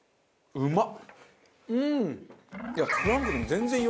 うまっ！